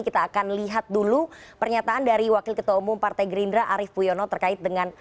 kita akan lihat dulu pernyataan dari wakil ketua umum partai gerindra arief puyono terkait dengan